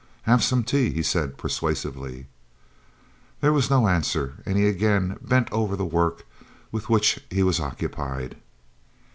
"Have some tea," he said persuasively. There was no answer, and he again bent over the work with which he was occupied.